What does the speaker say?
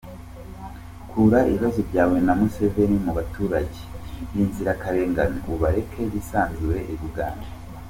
Kura ibibazo byawe na Museveni mu baturage b’inzirakarengane ubareke bisanzure I Bugande